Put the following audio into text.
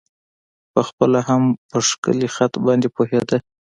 په خپله هم په ښکلی خط باندې پوهېده.